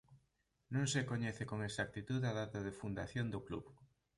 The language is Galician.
Non se coñece con exactitude a data de fundación do club.